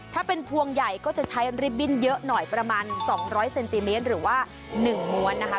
ถ้าเป็นพวงใหญ่ก็จะใช้ริบบิ้นเยอะหน่อยประมาณ๒๐๐เซนติเมตรหรือว่า๑ม้วนนะคะ